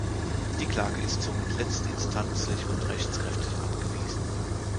Die Klage ist somit letztinstanzlich und rechtskräftig abgewiesen.